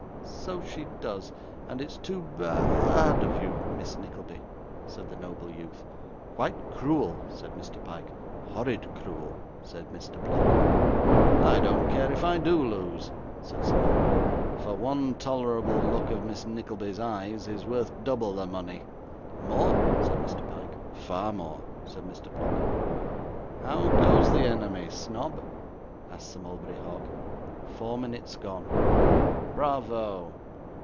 'So she does, and it's too ba a d of you, Miss Nickleby,' said the noble youth. 'Quite cruel,' said Mr. Pyke. 'Horrid cruel,' said Mr. Pluck. 'I don't care if I do lose,' said Sir Mulberry; 'for one tolerable look at Miss Nickleby's eyes is worth double the money.' 'More,' said Mr. Pyke. 'Far more,' said Mr. Pluck. 'How goes the enemy, Snobb?' asked Sir Mulberry Hawk. 'Four minutes gone.' 'Bravo!